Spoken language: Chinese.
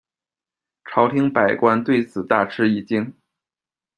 朝廷百官对此大吃一惊。